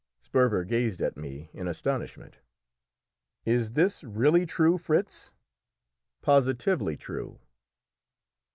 Sperver gazed at me in astonishment. "Is this really true, Fritz?" "Positively true."